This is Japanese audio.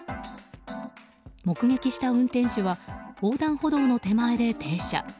目撃した運転手は横断歩道の手前で停車。